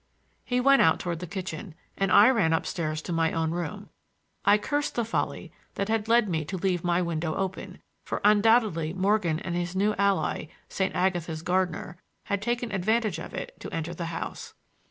He went out toward the kitchen, and I ran up stairs to my own room. I cursed the folly that had led me to leave my window open, for undoubtedly Morgan and his new ally, St. Agatha's gardener, had taken advantage of it to enter the house.